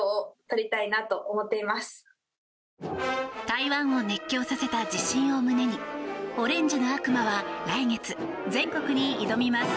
台湾を熱狂させた自信を胸にオレンジの悪魔は来月、全国に挑みます。